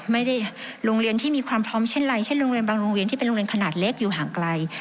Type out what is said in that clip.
โรงเรียนที่มีความพร้อมเช่นไรเช่นโรงเรียนบางโรงเรียนที่เป็นโรงเรียนขนาดเล็กอยู่ห่างไกล